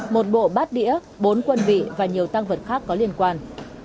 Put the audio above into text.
một bộ bát đĩa bốn quân vị và nhiều tăng vật khác có liên quan